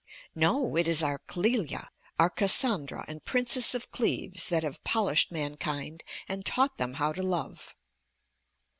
No; it is our Clélia, our Cassandra and Princess of Cleves, that have polished mankind and taught them how to love.